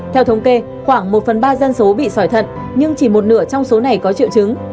theo thống kê khoảng một phần ba dân số bị sỏi thận nhưng chỉ một nửa trong số này có triệu chứng